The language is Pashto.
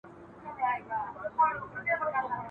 نه په داړو کي یې زور سته د څیرلو !.